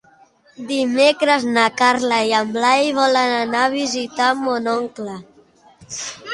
Dimecres na Carla i en Blai volen anar a visitar mon oncle.